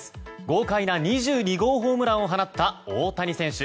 豪快な２２号ホームランを放った大谷選手。